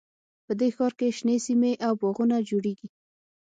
په دې ښار کې شنې سیمې او باغونه جوړیږي